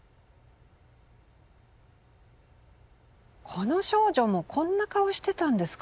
この少女もこんな顔してたんですか。